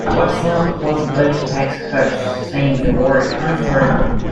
Watson opposed the Bush tax cuts, saying they were unaffordable.